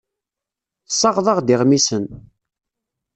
Tessaɣeḍ-aɣ-d iɣmisen.